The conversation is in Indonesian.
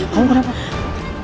tunggu ya jess